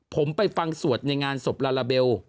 ผมไปฟังสวดในงานศพลาลาเบล